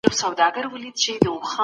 تاسي تل د نېکۍ په لاره کي قدم اخلئ.